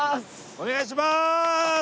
お願いしまーす！